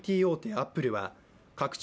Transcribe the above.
アップルは拡張